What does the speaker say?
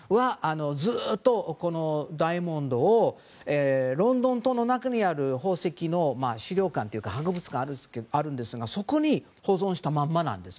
ずっと、このダイヤモンドをロンドン塔の中にある宝石の資料館というか博物館があるんですがそこに保存したままなんです。